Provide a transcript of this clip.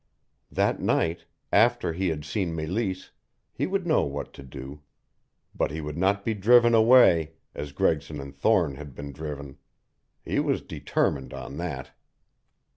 That night after he had seen Meleese he would know what to do. But he would not be driven away, as Gregson and Thorne had been driven. He was determined on that.